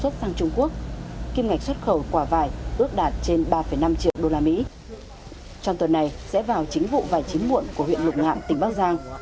trong tuần này sẽ vào chính vụ và chính muộn của huyện lục ngạn tỉnh bắc giang